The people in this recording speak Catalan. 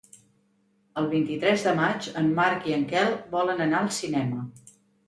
El vint-i-tres de maig en Marc i en Quel volen anar al cinema.